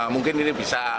mungkin ini bisa dikembangkan